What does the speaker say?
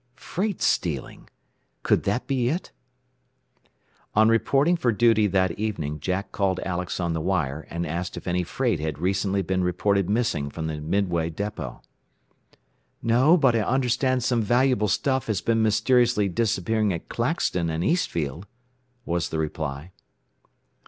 "Freight stealing! Could that be it?" On reporting for duty that evening Jack called Alex on the wire and asked if any freight had recently been reported missing from the Midway depot. "No, but I understand some valuable stuff has been mysteriously disappearing at Claxton and Eastfield," was the reply.